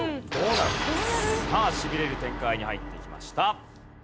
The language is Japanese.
さあしびれる展開に入ってきました。